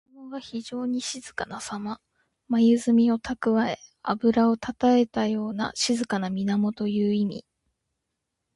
水面が非情に静かなさま。まゆずみをたくわえ、あぶらをたたえたような静かな水面という意味。